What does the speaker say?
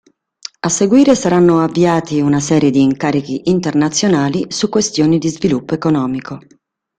A seguire, saranno avviati una serie di incarichi internazionali su questioni di sviluppo economico.